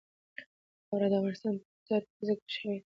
واوره د افغانستان په اوږده تاریخ کې ذکر شوی دی.